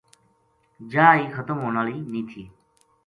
جا ہی ختم ہون ہالی نیہہ تھی۔